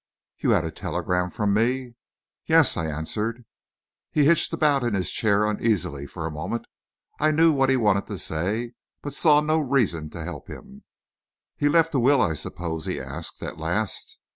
"You had a telegram from me?" "Yes," I answered. He hitched about in his chair uneasily for a moment. I knew what he wanted to say, but saw no reason to help him. "He left a will, I suppose?" he asked, at last.